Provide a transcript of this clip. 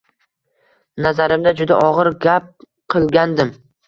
Nazarimda, juda og‘ir gap qilgandim.